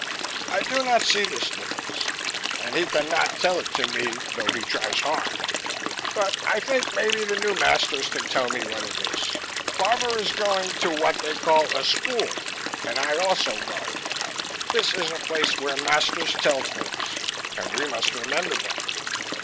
I do not see this difference, and he can not tell it to me though he tries hard. But I think maybe the new masters can tell me what it is. Marvor is going to what they call a school and I also go. This is a place where masters tell things, and we must remember them.